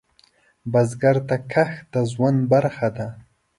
بزګر ته کښت د ژوند برخه ده